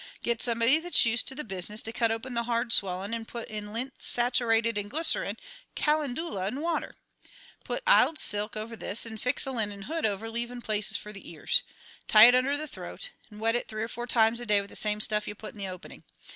Get somebody that's used to the business to cut open the hard swellin' 'nd put in lint saterated in glycerine, calendula 'nd water. Put iled silk over this 'nd fix a linen hood over, leavin' places fer the ears. Tie it under the throat, and wet it three or four times a day with the same stuff ye put in the opening.